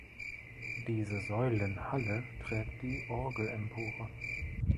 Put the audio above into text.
Diese Säulenhalle trägt die Orgelempore.